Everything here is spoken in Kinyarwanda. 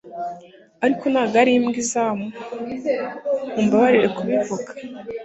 ariko ntabwo ari imbwa izamu, mumbabarire kubivuga